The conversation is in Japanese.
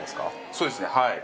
そうですねはい。